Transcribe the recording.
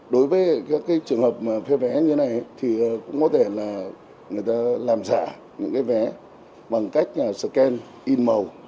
đối với các trường hợp phê vé như thế này thì cũng có thể là người ta làm giả những cái vé bằng cách scan in màu